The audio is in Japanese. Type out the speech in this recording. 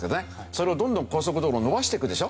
それをどんどん高速道路を延ばしていくでしょう。